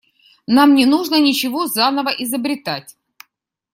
Нам не нужно ничего заново изобретать.